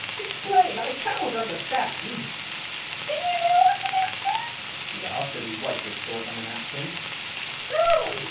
Explain. I cannot understand !"" Do you know what dnax is ?" he asked, as he wiped his sword on a napkin. " No